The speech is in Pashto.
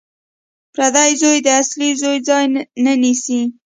پردی زوی د اصلي زوی ځای نه نیسي